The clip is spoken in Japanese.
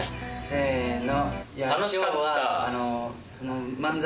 せの。